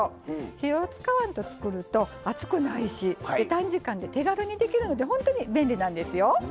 火を使わんと作ると熱くないし短時間で手軽にできるので本当に便利なんですよ。